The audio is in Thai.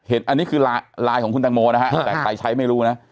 อันนี้คือไลน์ของคุณตังโมนะฮะแต่ใครใช้ไม่รู้นะ